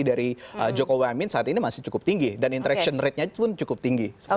dari jokowi amin saat ini masih cukup tinggi dan interaction ratenya pun cukup tinggi